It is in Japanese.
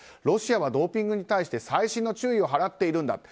ロシアはドーピングに対して細心の注意を払っているんだ。